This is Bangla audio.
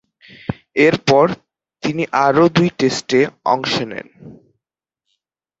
এরপর তিনি আরও দুই টেস্টে অংশ নেন।